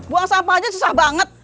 buang sampah aja susah banget